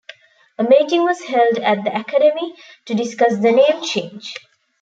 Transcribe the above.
A meeting was held at the Academy to discuss the name change.